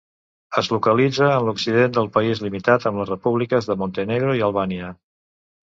Es localitza en l'occident del país limitant amb les Repúbliques de Montenegro i Albània.